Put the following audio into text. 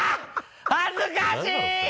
恥ずかしい‼